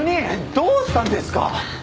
どうしたんですか？